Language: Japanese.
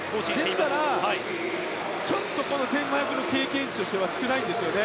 ですからちょっとこの１５００ｍの経験値としては少ないんですね。